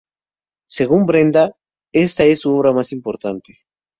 Según Brenda, esta es su obra más importante.